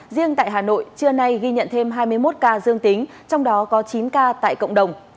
riêng tại hà nội trưa nay ghi nhận thêm hai mươi một ca dương tính trong đó có chín ca tại cộng đồng